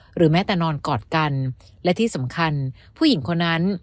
หรือแม้แต่นอนกอดกันและที่สำคัญผู้หญิงคนนั้น